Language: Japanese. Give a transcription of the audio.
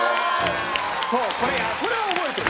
そうこれこれは覚えてる。